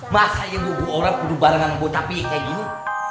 masa ibu ibu orang berdua bareng anak gue tapi kayak gini